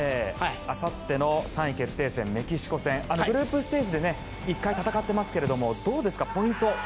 あさっての３位決定戦メキシコ戦。グループステージで１回戦ってますがどうですか、ポイントは。